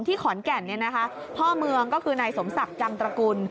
ขอนแก่นพ่อเมืองก็คือนายสมศักดิ์จังตระกุล